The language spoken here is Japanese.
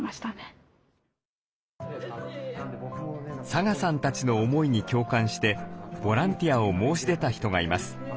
サガさんたちの思いに共感してボランティアを申し出た人がいます。